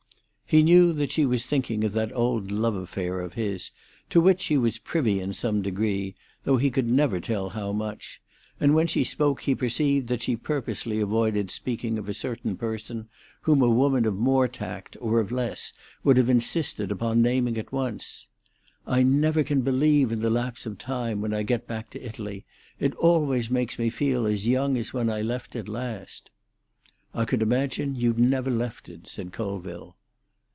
He knew that she was thinking of that old love affair of his, to which she was privy in some degree, though he never could tell how much; and when she spoke he perceived that she purposely avoided speaking of a certain person, whom a woman of more tact or of less would have insisted upon naming at once. "I never can believe in the lapse of time when I get back to Italy; it always makes me feel as young as when I left it last." "I could imagine you'd never left it," said Colville.